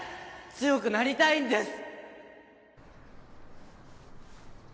強くなりたいんです。